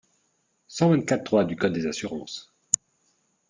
cent vingt-quatre-trois du code des assurances.